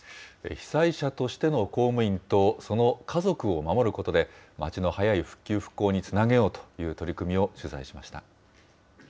被災者としての公務員と、その家族を守ることで、まちの早い復旧・復興につなげようという取り組みを取材しました。